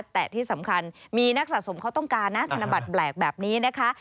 แต่ที่สำคัญมีนักสะสมเขาต้องการนะธนบัตรแปลกแบบนี้นะคะ